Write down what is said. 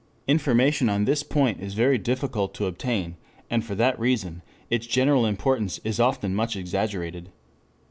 Information on this point is very difficult to obtain, and for that reason its general importance is often much exaggerated.